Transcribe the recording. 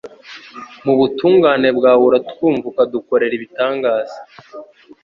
Mu butungane bwawe uratwumva ukadukorera ibitangaza